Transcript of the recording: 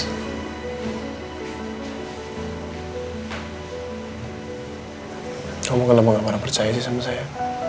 kamu kenapa nggak pernah percaya sih sama saya